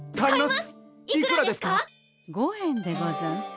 ５円でござんす。